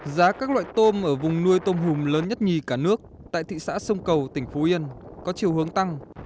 giá các loại tôm ở vùng nuôi tôm hùm lớn nhất nhì cả nước tại thị xã sông cầu tỉnh phú yên có chiều hướng tăng